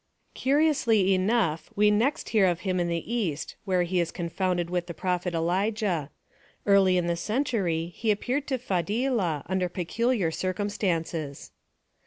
Curiously enough, we next hear of him in the East, where he is confounded with the prophet Elijah. Early in the century he appeared to Fadhilah, under peculiar circumstances.